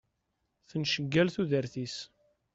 Tenceggal tudert-is.